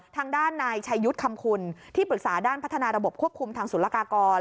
ทางด้านนายชายุทธ์คำคุณที่ปรึกษาด้านพัฒนาระบบควบคุมทางศูนยากากร